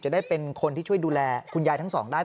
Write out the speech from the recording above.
จะได้เป็นคนที่ช่วยดูแลคุณยายทั้งสองได้